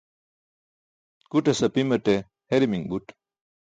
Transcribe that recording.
Guṭas apimaṭe herimiṅ buṭ